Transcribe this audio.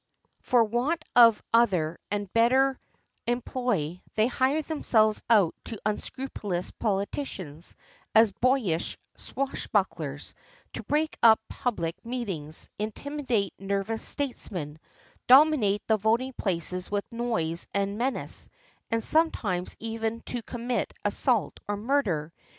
For want of other and better employ, they hire themselves out to unscrupulous poli ticians as boyish "swashbucklers," to break up public meetings, intimidate nervous statesmen, dominate the voting places with noise and menace, and sometimes even to commit assault or murder.